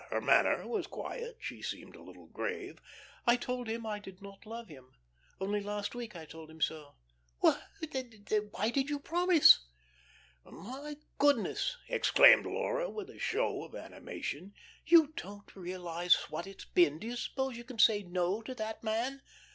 Her manner was quiet. She seemed a little grave. "I told him I did not love him. Only last week I told him so." "Well, then, why did you promise?" "My goodness!" exclaimed Laura, with a show of animation. "You don't realize what it's been. Do you suppose you can say 'no' to that man?"